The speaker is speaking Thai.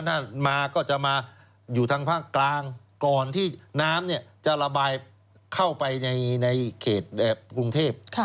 ถ้ามาก็จะมาอยู่ทางภาคกลางก่อนที่น้ำจะระบายเข้าไปในเขตกรุงเทพ